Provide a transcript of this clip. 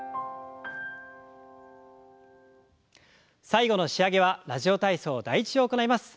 最後の仕上げは「ラジオ体操第１」を行います。